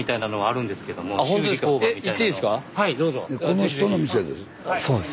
この人の店です？